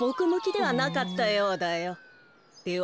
では。